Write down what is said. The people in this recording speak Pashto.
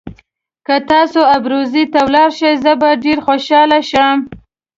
که تاسي ابروزي ته ولاړ شئ زه به ډېر خوشاله شم.